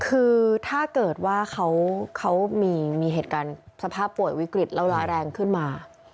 คือถ้าเกิดว่าเขามีเหตุการณ์สภาพป่วยวิกฤตแล้วร้ายแรงขึ้นมา